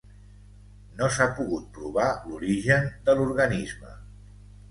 No s'ha pogut provar l'origen de l'organisme.